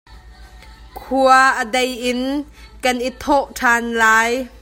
Khua a dei in kan i thawh ṭhan lai.